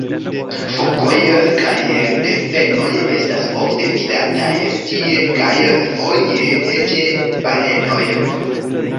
Fokoj kaj delfenoj estas ofte vidataj tie kaj foje eĉ balenoj.